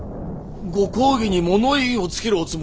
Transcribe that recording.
ご公儀に物言いをつけるおつもりか。